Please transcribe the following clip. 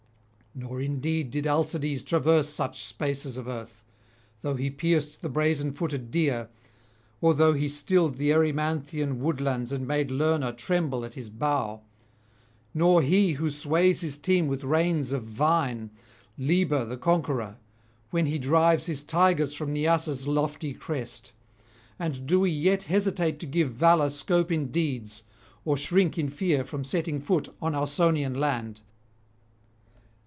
Nor indeed did Alcides traverse such spaces of earth, though he pierced the brazen footed deer, or though he stilled the Erymanthian woodlands and made Lerna tremble at his bow: nor he who sways his team with reins of vine, Liber the conqueror, when he drives his tigers from Nysa's lofty crest. And do we yet hesitate to give valour scope in deeds, or shrink in fear from setting foot on Ausonian land?